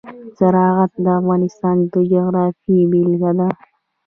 زراعت د افغانستان د جغرافیې بېلګه ده.